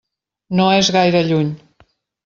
No és gaire lluny.